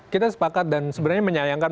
kita sepakat dan sebenarnya menyayangkan